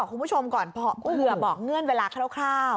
เข้าอยู่บอกเพื่อเมื่อเงื่อนเวลาคร่าว